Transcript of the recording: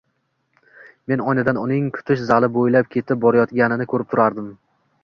Men oynadan uning kutish zali boʻylab ketib borayotganini koʻrib turardim.